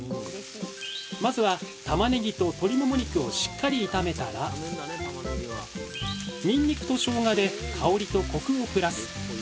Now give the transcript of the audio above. まずはたまねぎと鶏もも肉をしっかり炒めたらにんにくとしょうがで香りとコクをプラス！